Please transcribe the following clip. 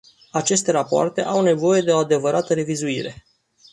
Aceste rapoarte au nevoie de o adevărat revizuire.